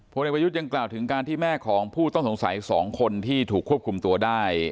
ในประยุทธ์ยังกล่าวถึงการที่แม่ของผู้ต้องสงสัย๒คนที่ถูกควบคุมตัวได้